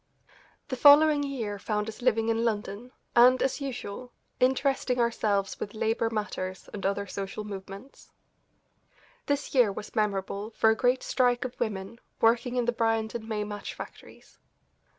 The following year found us living in London, and, as usual, interesting ourselves with labour matters and other social movements. This year was memorable for a great strike of women working in the Bryant and May match factories.